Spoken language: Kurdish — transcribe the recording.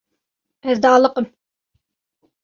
Ez dialiqim.